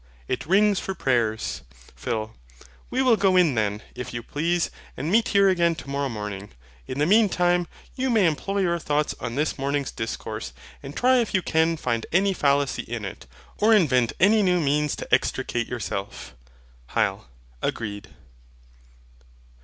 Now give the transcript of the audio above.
It rings for prayers. PHIL. We will go in then, if you please, and meet here again tomorrow morning. In the meantime, you may employ your thoughts on this morning's discourse, and try if you can find any fallacy in it, or invent any new means to extricate yourself. HYL. Agreed.